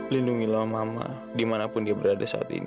lindungilah mama dimanapun dia berada saat ini